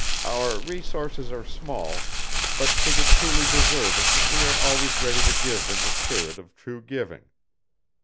"Our resources are small, but to the truly deserving we are always ready to give in the spirit of true giving."